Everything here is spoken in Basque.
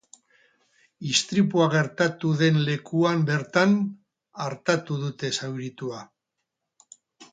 Istripua gertatu den lekuan bertan artatu dute zauritua.